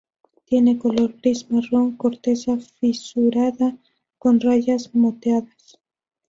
Tiene color gris-marrón, corteza fisurada, con rayas moteadas.